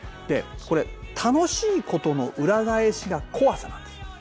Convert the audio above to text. これ楽しいことの裏返しが怖さなんです。